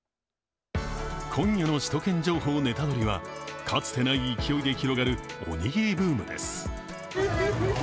今夜の首都圏情報ネタドリ！はかつてない勢いで広がるおにぎりブームです。